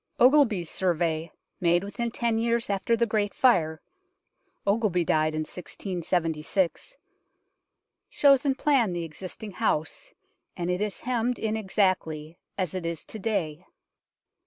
Ogilby's Survey, made within ten years after the Great Fire Ogilby died in 1676 shows in plan the existing house, and it is hemmed in exactly as it is to day.